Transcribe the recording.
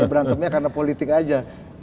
berantemnya karena politik aja